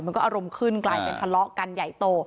อารมณ์ขึ้นกลายเป็นทะเลาะกันใหญ่โต